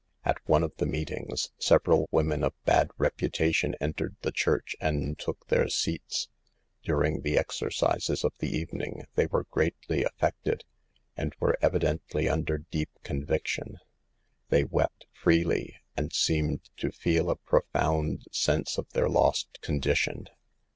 At one of the meetings, several women of bad reputation entered the church and took their seats. Dur ing the exercises of the evening they were greatly affected, and were evidently under deep conviction. They wept freely, and seemed to feel a profound sense of their lost condition.